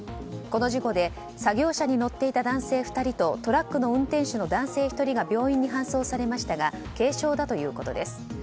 この事故で作業車に乗っていた男性２人とトラックの運転手の男性１人が病院に搬送されましたが軽傷だということです。